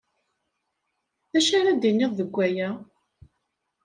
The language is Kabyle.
D acu ara d-tiniḍ deg waya?